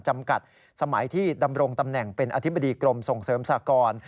จำกัดสมัยที่ดำรงตำแหน่งเป็นอธิบดีกรมส่งเสริมสากร